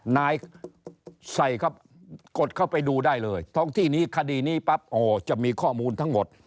นายใส่ครับกดเข้าไปดูได้เลยท้องที่นี้คดีนี้ปั๊บโอ้จะมีข้อมูลทั้งหมด